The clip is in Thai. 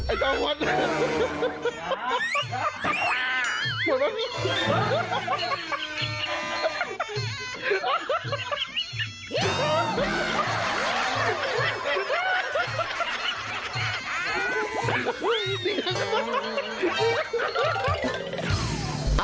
ไอ้เจ้าหวัดแหล่ะ